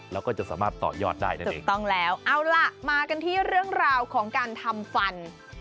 แล้วก็จะสามารถต่อยอดได้นั่นเองถูกต้องแล้วเอาล่ะมากันที่เรื่องราวของการทำฟัน